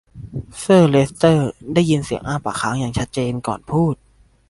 เซอร์เลสเตอร์ได้ยินเสียงอ้าปากค้างอย่างชัดเจนก่อนพูด